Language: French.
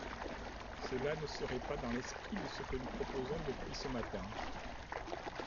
Cela ne serait pas dans l’esprit de ce que nous proposons depuis ce matin.